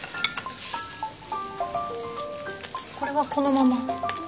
これはこのまま？